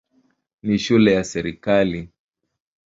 Ni shule ya serikali.